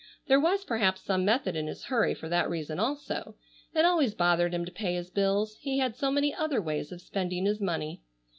There was perhaps some method in his hurry for that reason also. It always bothered him to pay his bills, he had so many other ways of spending his money.